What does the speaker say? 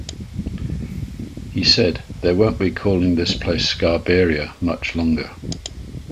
He said, They won't be calling this place Scarberia much longer.